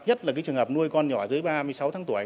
nhất là cái trường hợp nuôi con nhỏ dưới ba mươi sáu tháng tuổi